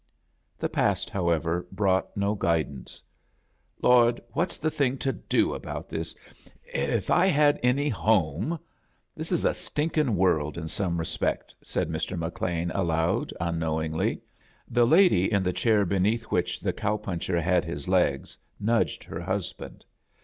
The past, however, brought no guid ance. "Lord, what's the thing to do about this? If I had any home — This is a stinkin' world in some respects," said Mr.SIcLean, aloud, unknowingly. The lady in the chair beneath which the cow puncher had his legs nudged her husband.